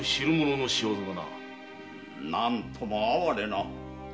何とも哀れな。